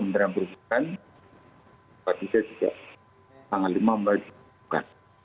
dan pak dika juga tanggal lima maret juga